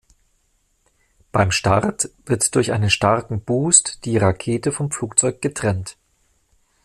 Beim Start wird durch einen starken Boost die Rakete vom Flugzeug getrennt.